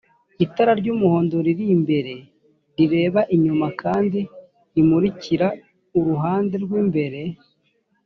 itara ry‘umuhondo riri imbere rireba inyuma kandi rimurikira uruhande rw’imbere